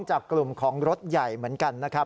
จากกลุ่มของรถใหญ่เหมือนกันนะครับ